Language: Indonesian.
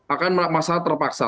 akan merasa terpaksa